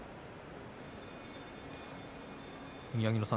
宮城野さん